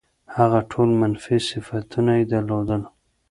هغه ټول منفي صفتونه یې درلودل.